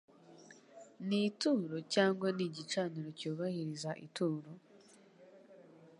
ni ituro cyangwa ni igicaniro cyubahiriza ituro?»